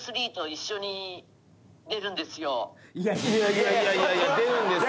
いやいやいやいや「出るんですよ」